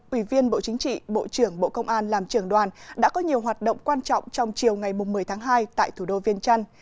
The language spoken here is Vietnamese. ủy viên bộ chính trị bộ trưởng bộ công an làm trưởng đoàn đã có nhiều hoạt động quan trọng trong chiều ngày một mươi tháng hai tại thủ đô viên trăn